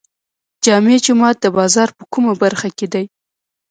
جامع جومات د بازار په کومه برخه کې دی؟